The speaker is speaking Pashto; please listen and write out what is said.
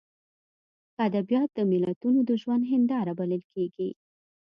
که ادبیات د ملتونو د ژوند هینداره بلل کېږي.